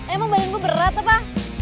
emang badan gue berat apa